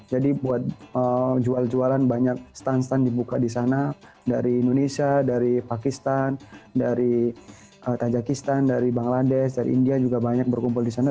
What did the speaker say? jadi buat jual jualan banyak stand stand dibuka di sana dari indonesia dari pakistan dari tajikistan dari bangladesh dari india juga banyak berkumpul di sana